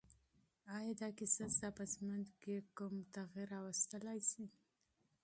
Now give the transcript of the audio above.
آیا دا کیسه ستا په ژوند کې کوم بدلون راوستی شي؟